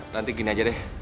nanti gini aja deh